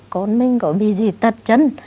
con mình có bị gì tật chân